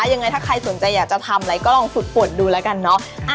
ยังไงถ้าใครสนใจอยากจะทำอะไรก็ลองฝึกปวดดูแล้วกันเนอะ